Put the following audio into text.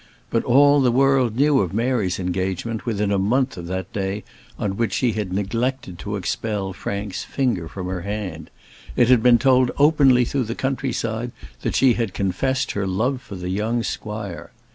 But all the world knew of Mary's engagement within a month of that day on which she had neglected to expel Frank's finger from her hand; it had been told openly through the country side that she had confessed her love for the young squire.